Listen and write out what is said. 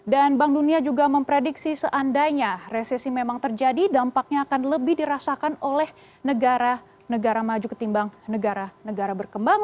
dan bank dunia juga memprediksi seandainya resesi memang terjadi dampaknya akan lebih dirasakan oleh negara negara maju ketimbang negara negara berkembang